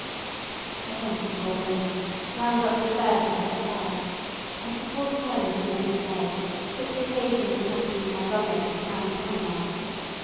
I went to Gorgona, wound up the affairs of the hotel, and, before returning to Navy Bay, took the occasion of accompanying my brother to the town of Panama.